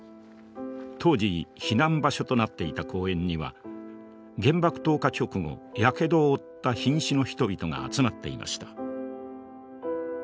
当時避難場所となっていた公園には原爆投下直後やけどを負った瀕死の人々が集まっていました。